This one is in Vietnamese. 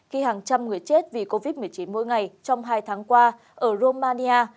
khi hàng trăm người chết vì covid một mươi chín mỗi ngày trong hai tháng qua ở romania